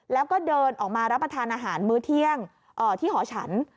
แล้วก็เดินออกมารับประทานอาหารมื้อเที่ยงที่หอฉัน